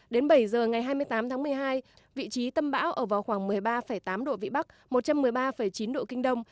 đến bảy giờ ngày hai mươi tám tháng một mươi hai vị trí tâm bão ở vào khoảng một mươi ba tám độ vĩ bắc một trăm một mươi ba chín độ kinh đông